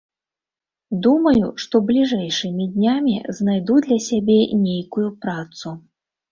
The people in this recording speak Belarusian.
Думаю, што бліжэйшымі днямі знайду для сябе нейкую працу.